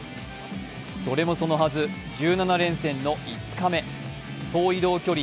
それもそのはず、１７連戦の５日目、総移動距離